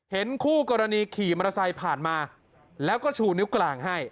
คู่กรณีขี่มอเตอร์ไซค์ผ่านมาแล้วก็ชูนิ้วกลางให้